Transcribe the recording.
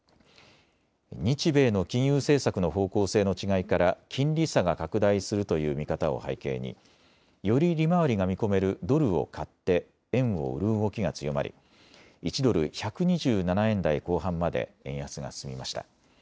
日米の金融政策の方向性の違いから金利差が拡大するという見方を背景により利回りが見込めるドルを買って円を売る動きが強まり１ドル１２７円台後半まで円安が進みました。